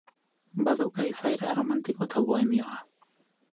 Badauka izaera erromantiko eta bohemioa.